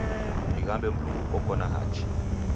Dighambe Mlungu oko na hachi